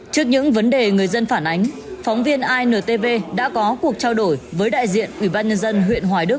trước những vấn đề người dân phản ánh phóng viên intv đã có cuộc trao đổi với đại diện ủy ban nhân dân huyện hoài đức